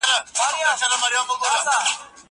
کتابتون ته راشه!